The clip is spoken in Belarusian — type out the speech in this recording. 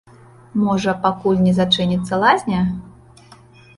Можа, пакуль не зачыніцца лазня?